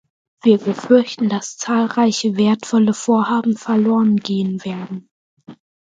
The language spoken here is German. Wir befürchten, dass zahlreiche wertvolle Vorhaben verloren gehen werden.